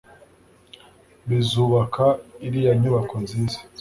bizubaka iriya nyubako nziza